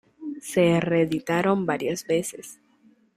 Se reeditaron varias veces.